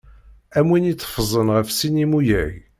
Am win iteffẓen ɣef sin imuyag.